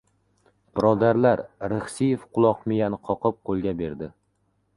Birodarlar, Rixsiyev quloq-miyani qoqib, qo‘lga berdi!